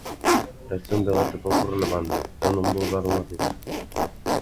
"Ese é un debate pouco relevante; eu non vou dar unha cifra".